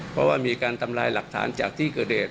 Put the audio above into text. เพราะว่ามีการทำลายหลักฐานจากที่เกิดเหตุ